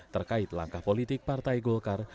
terkait langkah politik partai golkar